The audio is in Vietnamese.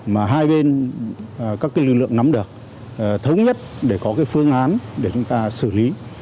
mà hai bên các lực lượng nắm được thống nhất để có cái phương án để chúng ta xử lý